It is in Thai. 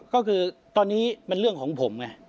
ก็คือตอนนี้มันเรื่องของผมไง